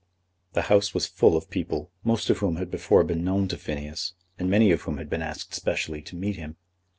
The house was full of people, most of whom had before been known to Phineas, and many of whom had been asked specially to meet him.